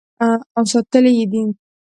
او ساتلی یې دی.